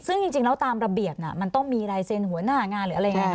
ซึ่งจริงแล้วตามระเบียบมันต้องมีลายเซ็นต์หัวหน้างานหรืออะไรอย่างนี้